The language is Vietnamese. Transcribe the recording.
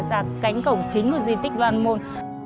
ra cánh cổng chính của di tích đoàn môn